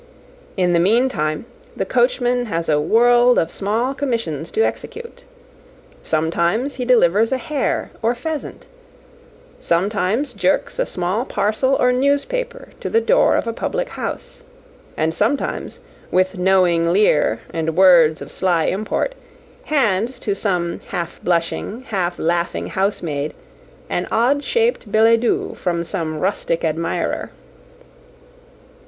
In the meantime, the coachman has a world of small commissions to execute. Sometimes he delivers a hare or pheasant; sometimes jerks a small parcel or newspaper to the door of a public house; and sometimes, with knowing leer and words of sly import, hands to some half blushing, half laughing housemaid an odd shaped billet doux from some rustic admirer.